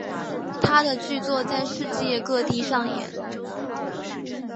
他的剧作在世界各地上演。